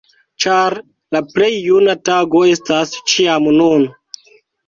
Ĉar "La plej juna tago estas ĉiam nun!